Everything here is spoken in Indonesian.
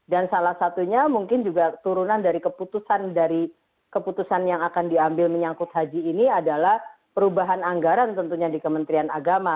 dan salah satunya mungkin juga turunan dari keputusan yang akan diambil menyangkut haji ini adalah perubahan anggaran tentunya di kementerian agama